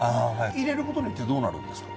入れることによってどうなるんですか？